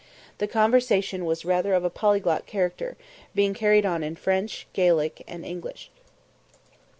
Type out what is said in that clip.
The conversation was rather of a polyglot character, being carried on in French, Gaelic, and English.